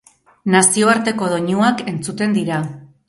Nazioarteko doinuak entzuten dira.